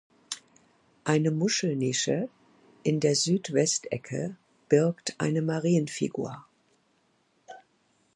Eine Muschelnische in der Südwestecke birgt eine Marienfigur.